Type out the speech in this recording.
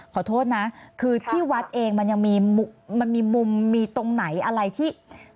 ขอโทษนะคือที่วัดเองมันยังมีมุมมีตรงไหนอะไรที่